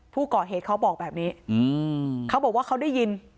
ผู้ก่อเหตุเขาบอกแบบนี้เขาบอกว่าเขาได้ยิน